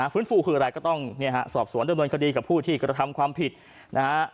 ฟื้นฟูคืออะไรก็ต้องเนี่ยฮะสอบสวนดำเนินคดีกับผู้ที่กระทำความผิดนะฮะ